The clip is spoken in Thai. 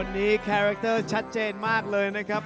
วันนี้คาแรคเตอร์ชัดเจนมากเลยนะครับ